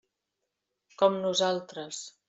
Com nosaltres.